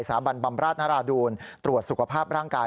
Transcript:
บันบำราชนราดูลตรวจสุขภาพร่างกาย